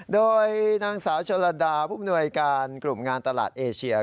โดยนางสาวชลดาผู้มนวยการกลุ่มงานตลาดเอเชีย